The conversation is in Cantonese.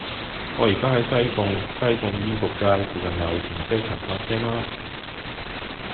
我依家喺西貢西貢醫局街，附近有停車場泊車嗎